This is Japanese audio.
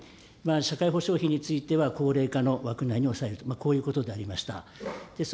社会保障費については、高齢化の枠内に抑えると、こういうことでありました。